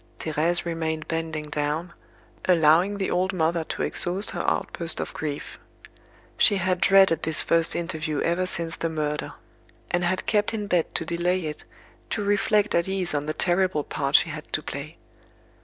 Thérèse remained bending down, allowing the old mother to exhaust her outburst of grief. She had dreaded this first interview ever since the murder; and had kept in bed to delay it, to reflect at ease on the terrible part she had to play.